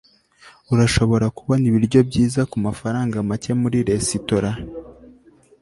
urashobora kubona ibiryo byiza kumafaranga make muri resitora